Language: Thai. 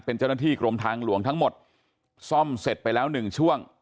เป็นเจ้าหน้าที่กรมทางหลวงทั้งหมดซ่อมเสร็จไปแล้วหนึ่งช่วง